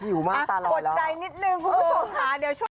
หิวมากตาหลอยแล้ว